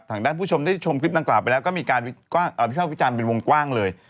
ท่านผู้ชมได้ชมคลิปดังกล่าวไปแล้วก็มีการวิภาควิจารณ์เป็นวงกว้างเลย